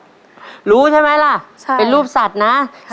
ตัวเลือดที่๓ม้าลายกับนกแก้วมาคอ